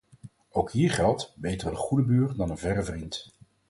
Ook hier geldt: beter een goede buur dan een verre vriend.